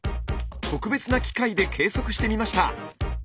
特別な機械で計測してみました。